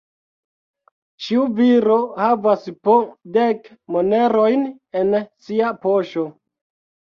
Ĉiu viro havas po dek monerojn en sia poŝo.